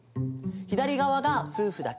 左側が夫婦だけ。